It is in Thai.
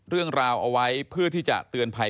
เรื่องราวเอาไว้เพื่อที่จะเตือนภัย